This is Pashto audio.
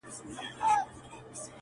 کوم زاهد په يوه لاس ورکړی ډهول دی~